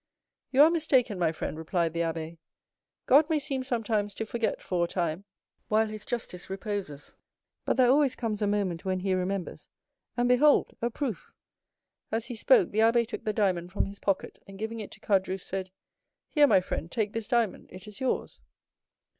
"You are mistaken, my friend," replied the abbé; "God may seem sometimes to forget for a time, while his justice reposes, but there always comes a moment when he remembers—and behold—a proof!" As he spoke, the abbé took the diamond from his pocket, and giving it to Caderousse, said, "Here, my friend, take this diamond, it is yours."